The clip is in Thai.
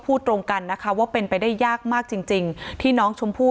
พูดตรงกันนะคะว่าเป็นไปได้ยากมากจริงจริงที่น้องชมพู่